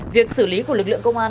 việc xử lý của lực lượng công an